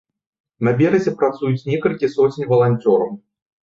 На беразе працуюць некалькі соцень валанцёраў.